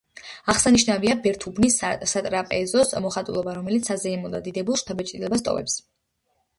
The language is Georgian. აღსანიშნავია ბერთუბნის სატრაპეზოს მოხატულობა, რომელიც საზეიმო და დიდებულ შთაბეჭდილებას ტოვებს.